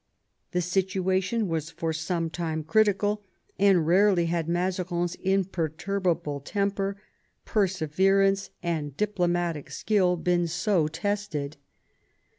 The situation was for some time critical, and rarely had Mazarines imper turbable temper, perseverance, and diplomatic skill been so tested.